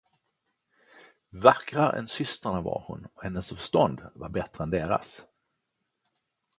Vackrare än systrarna var hon, och hennes förstånd var bättre än deras.